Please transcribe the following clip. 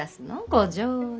ご冗談。